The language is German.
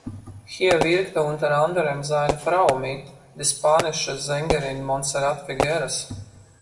Hier wirkte unter anderem seine Frau mit, die spanische Sängerin Montserrat Figueras.